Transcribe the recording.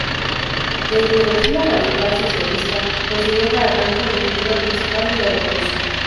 De ideología radical-socialista, considera a Danton la figura principal de la Revolución.